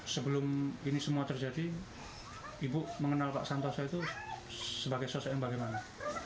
sebelum ini semua terjadi ibu mengenal pak santoso itu sebagai sosok yang bagaimana